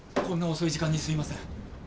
こんな遅い時間にすみません。